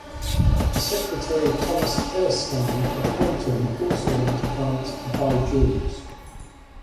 The secretary Thomas Erskine of Halton also went to France to buy jewels.